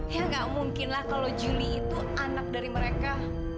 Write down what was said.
ya gak mungkin lah kalau juli itu anak dari mereka